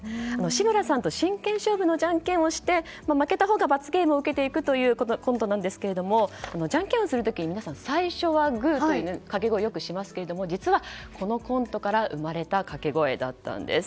志村さんと真剣勝負のじゃんけんをして負けたほうが罰ゲームを受けていくというコントですがじゃんけんをする時皆さん、最初はグーという掛け声をしますが実は、このコントから生まれた掛け声だったんです。